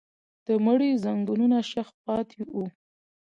د مړي ځنګنونه شخ پاتې وو.